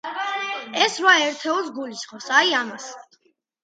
ეს რვა ერთეული გულისხმობს, აი, ამას.